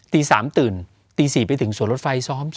ตี๓ตื่นตี๔ไปถึงสวนรถไฟซ้อม๒